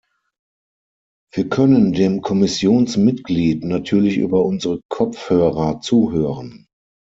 Wir können dem Kommissionsmitglied natürlich über unsere Kopfhörer zuhören.